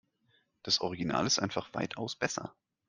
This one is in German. Das Original ist einfach weitaus besser.